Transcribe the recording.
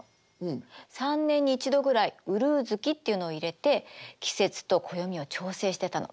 ３年に１度ぐらいうるう月っていうのを入れて季節と暦を調整してたの。